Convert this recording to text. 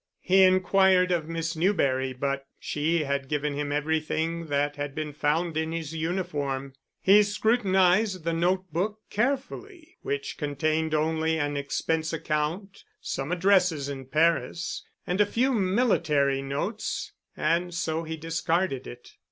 He inquired of Miss Newberry, but she had given him everything that had been found in his uniform. He scrutinized the notebook carefully, which contained only an expense account, some addresses in Paris, and a few military notes, and so he discarded it.